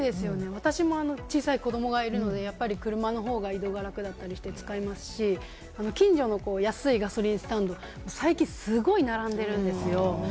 私も小さい子どもがいるので、車の方が移動が楽だったりするので使いますし、近所の安いガソリンスタンド、すごく並んでいるんですよ。